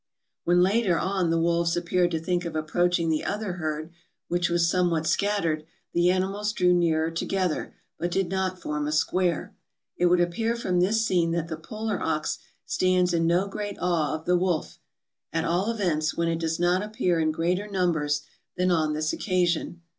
When later on the wolves appeared to think of approaching the other herd, which was somewhat scattered, the animals drew nearer together, but did not form a square. It would appear from this scene that the polar ox stands in no great awe of the wolf; at all events, when it does not appear in greater numbers than on this occasion.